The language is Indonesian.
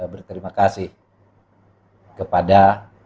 berterima kasih kepada